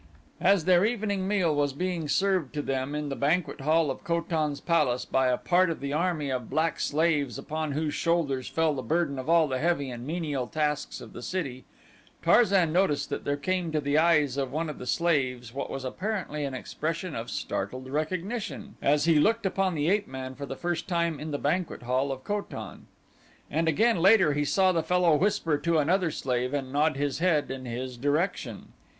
As their evening meal was being served to them in the banquet hall of Ko tan's palace by a part of the army of black slaves upon whose shoulders fell the burden of all the heavy and menial tasks of the city, Tarzan noticed that there came to the eyes of one of the slaves what was apparently an expression of startled recognition, as he looked upon the ape man for the first time in the banquet hall of Ko tan. And again later he saw the fellow whisper to another slave and nod his head in his direction.